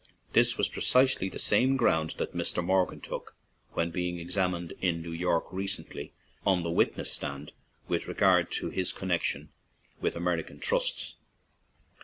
This was precisely the same ground that Mr. Morgan took when being examined in New York recently on the witness stand, with regard to his connection with Amer ican trusts.